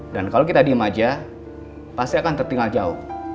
dan kalau kita diam aja pasti akan tertinggal jauh